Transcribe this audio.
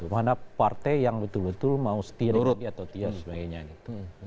mana partai yang betul betul mau setia dengan dia atau dia sebagainya gitu